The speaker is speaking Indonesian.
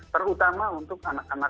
terutama untuk anak anak